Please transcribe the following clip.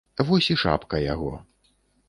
Вось і шапка яго.